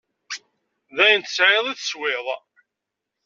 D ayen tesɛiḍ i teswiḍ.